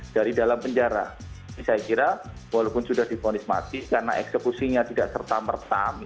jadi dalam penjara saya kira walaupun sudah di vonis mati karena eksekusinya tidak serta merta